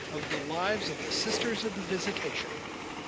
of the "Lives of the Sisters of the Visitation.")